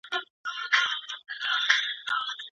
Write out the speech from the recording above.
د قسم کفاره څنګه ترسره کيږي؟